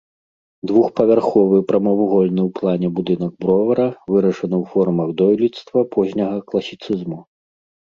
Двухпавярховы, прамавугольны ў плане будынак бровара вырашаны ў формах дойлідства позняга класіцызму.